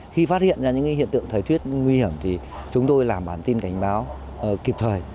khi phát hiện ra những hiện tượng thời tiết nguy hiểm thì chúng tôi làm bản tin cảnh báo kịp thời